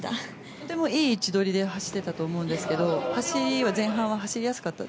とてもいい位置取りで走ってたと思うんですけど走りは前半は走りやすかった？